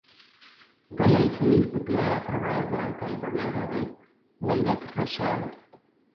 Esta ley fue discutida y aprobada durante el gobierno de Waldeck-Rousseau.